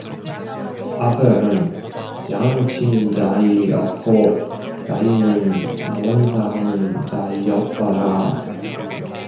아벨은 양 치는 자이었고 가인은 농사하는 자이었더라